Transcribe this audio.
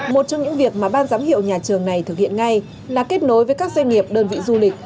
một trong những việc mà ban giám hiệu nhà trường này thực hiện ngay là kết nối với các doanh nghiệp đơn vị du lịch